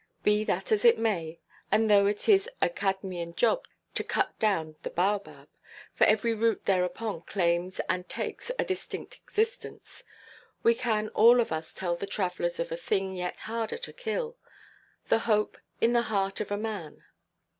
Be that as it may, and though it is a Cadmeian job to cut down the baobab, for every root thereupon claims, and takes, a distinct existence; we can all of us tell the travellers of a thing yet harder to kill—the hope in the heart of a man.